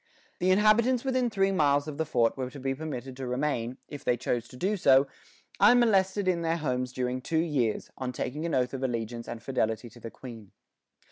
The inhabitants within three miles of the fort were to be permitted to remain, if they chose to do so, unmolested, in their homes during two years, on taking an oath of allegiance and fidelity to the Queen.